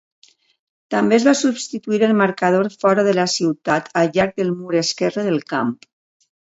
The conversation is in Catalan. També es va substituir el marcador fora de la ciutat al llarg del mur esquerre del camp.